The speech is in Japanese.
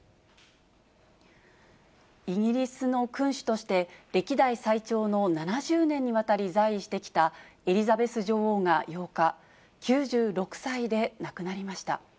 イギリスの君主として、歴代最長の７０年にわたり在位してきた、エリザベス女王が８日、９６歳で亡くなりました。